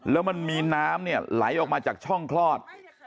แล้วมันมีน้ำเนี่ยไหลออกมาจากช่องคลอด